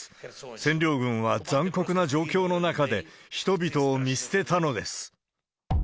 占領軍は残酷な状況の中で、人々を見捨てたのです。